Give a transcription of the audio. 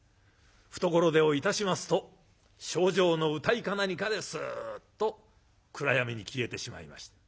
懐手をいたしますと「猩々」の謡か何かですっと暗闇に消えてしまいました。